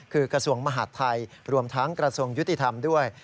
คือกระทรวงมหาดไทยรวมทั้งกระทรวงยุติธรรมด้วย